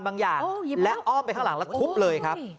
บางอย่างและอ้อมไปข้างหลังแล้วทุบเลยครับ